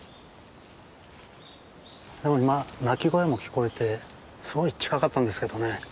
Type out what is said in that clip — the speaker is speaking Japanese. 今鳴き声も聞こえてすごい近かったんですけどね。